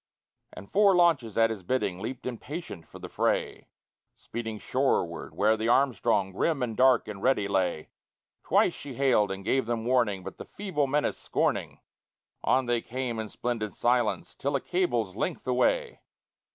And four launches at his bidding leaped impatient for the fray, Speeding shoreward where the Armstrong, grim and dark and ready, lay. Twice she hailed and gave them warning; but the feeble menace scorning, On they came in splendid silence, till a cable's length away.